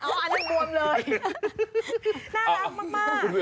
อันนี้บวมเลยน่ารักมาก